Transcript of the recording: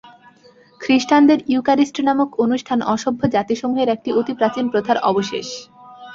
খ্রীষ্টানদের Eucharist নামক অনুষ্ঠান অসভ্য জাতিসমূহের একটি অতি প্রাচীন প্রথার অবশেষ।